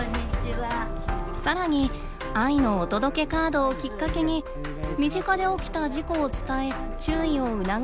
さらに「愛のお届けカード」をきっかけに身近で起きた事故を伝え注意を促すことも。